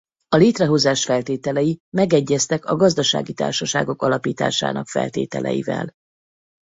A létrehozás feltételei megegyeztek a gazdasági társaságok alapításának feltételeivel.